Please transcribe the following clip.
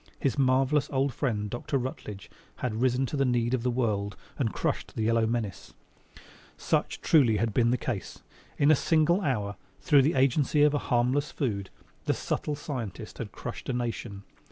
His marvelous old friend, Dr. Rutledge, had risen to the need of the world and crushed the yellow menace. Such, truly, had been the case. In a single hour, through the agency of a harmless food, the subtle scientist had crushed a nation.